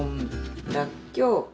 らっきょう。